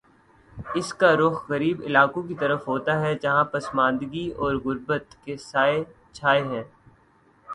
اس کا رخ غریب علاقوں کی طرف ہوتا ہے، جہاں پسماندگی اور غربت کے سائے چھائے ہیں۔